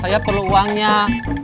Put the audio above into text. saya perlu uangnya saya perlu uangnya